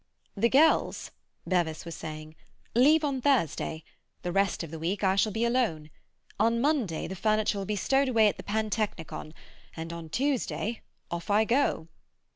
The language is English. "The girls," Bevis was saying, "leave on Thursday. The rest of the week I shall be alone. On Monday the furniture will be stowed away at the Pantechnicon, and on Tuesday—off I go."